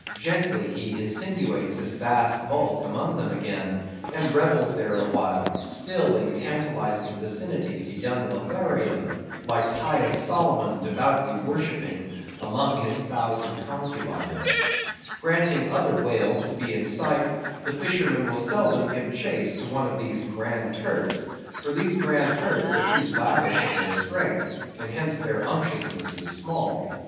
Gently he insinuates his vast bulk among them again and revels there awhile, still in tantalizing vicinity to young Lothario, like pious Solomon devoutly worshipping among his thousand concubines. Granting other whales to be in sight, the fishermen will seldom give chase to one of these Grand Turks; for these Grand Turks are too lavish of their strength, and hence their unctuousness is small.